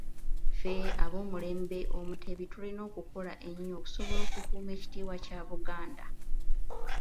Ffe ab’omulembe Omutebi tulina okukola ennyo okusobola okukuuma ekitiibwa kya Buganda.